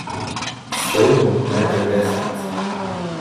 Jsou nutné tvrdé sankce.